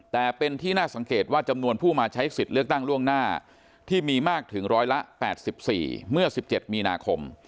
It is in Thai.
แต่เป็นที่น่าสังเกตว่าจำนวนผู้มาใช้สิทธิ์เลือกตั้งล่วงหน้าที่มีมากถึงร้อยละ๘๔เมื่อ๑๗มีนาคม